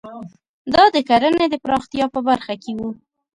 دا د کرنې د پراختیا په برخه کې وو.